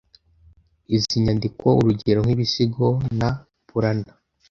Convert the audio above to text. Izindi nyandiko, urugero nk’ibisigo na Purana